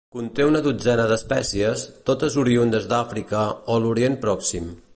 Conté una dotzena d'espècies, totes oriündes d'Àfrica o l'Orient Pròxim.